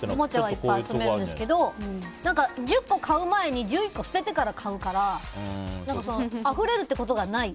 いっぱい集めるんですけど１０個買う前に１１個捨ててからかうからあふれるってことがない。